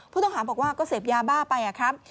ผู้ต้องหาบอกว่าก็เสพยาบ้าไปครับ